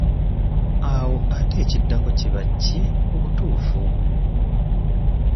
Awo ate ekiddako kiba ki mu butuufu?